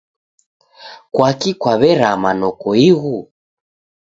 Kwaki kwaw'erama nokoighu?